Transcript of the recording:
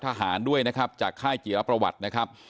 ทหารด้วยนะครับจากค่ายจิรประวัตินะครับ